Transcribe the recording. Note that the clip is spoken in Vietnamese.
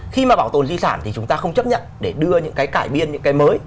khi mà bảo tồn di sản thì chúng ta không chấp nhận để đưa những cái cải biên những cái mới